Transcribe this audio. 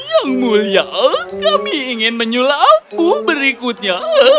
tapi yang mulia kami ingin menyulapmu berikutnya